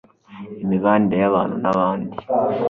Imibanire y‟abantu n‟abandi